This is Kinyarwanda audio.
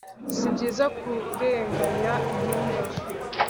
sibyiza kurenganya intungane